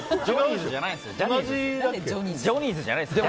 ジョニーズじゃないですよ。